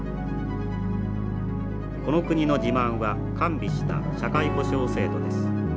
この国の自慢は完備した社会保障制度です。